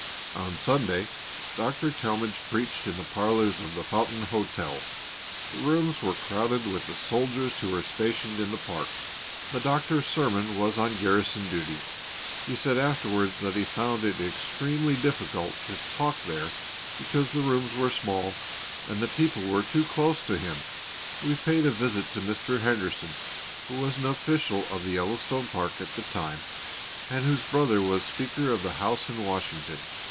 On Sunday Dr. Talmage preached in the parlours of the Fountain Hotel. The rooms were crowded with the soldiers who were stationed in the park. The Doctor's sermon was on garrison duty; he said afterwards that he found it extremely difficult to talk there because the rooms were small, and the people were too close to him. We paid a visit to Mr. Henderson, who was an official of the Yellowstone Park at that time, and whose brother was Speaker of the House in Washington.